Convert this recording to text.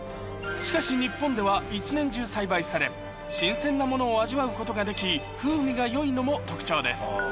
しかし日本では新鮮なものを味わうことができ風味が良いのも特徴です